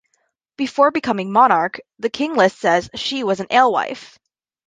Before becoming monarch, the king list says she was an alewife.